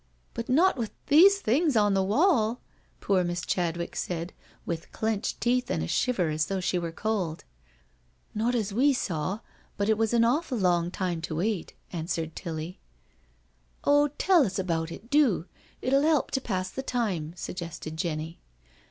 " But not with these things on the wall?" poor Miss Chadwick asked, with clenched teeth and a shiver as though she were cold. " Not as we saw — ^but it was an awful long time to wait," answered Tilly. " Oh, tell us all about it — do — it uU help to pass the time," suggested Jenny.